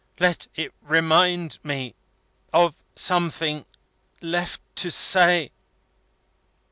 Let it remind me of something left to say."